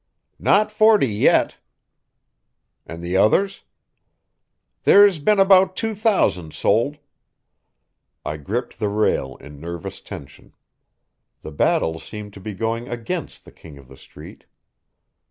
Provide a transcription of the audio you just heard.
"Not forty yet." "And the others?" "There's been about two thousand sold." I gripped the rail in nervous tension. The battle seemed to be going against the King of the Street.